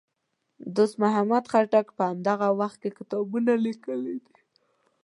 دوست محمد خټک په همدغه وخت کې کتابونه لیکي دي.